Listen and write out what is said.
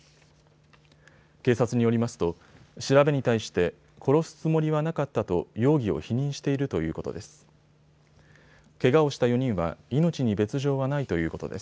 警察によりますと調べに対して殺すつもりはなかったと容疑を否認しているということです。